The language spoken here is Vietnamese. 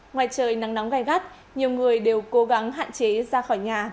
ngoài trời nắng nóng gai gắt nhiều người đều cố gắng hạn chế ra khỏi nhà